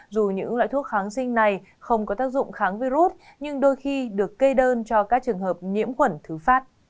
dù những loại thuốc kháng sinh này không có tác dụng kháng virus nhưng đôi khi được kê đơn cho các trường hợp nhiễm khuẩn thứ phát